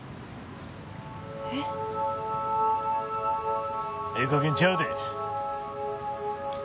えっ？ええかげんちゃうで。